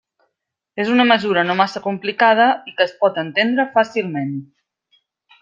És una mesura no massa complicada i que es pot entendre fàcilment.